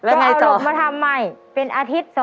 จะเอาลงมาทำใหม่เป็นอาทิตย์